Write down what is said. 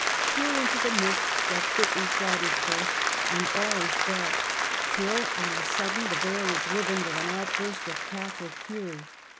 Peer into the mists that fitly shroud his birth and all is dark, till on a sudden the veil is riven with an outburst of Catholic fury.